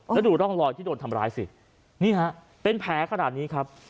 แล้วดูร่องรอยที่โดนทำร้ายสินี่ฮะเป็นแผลขนาดนี้ครับ